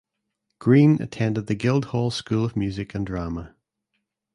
Greene attended the Guildhall School of Music and Drama.